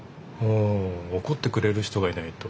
怒ってくれる人がいないと。